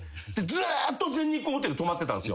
ずっと全日空ホテル泊まってたんですよ。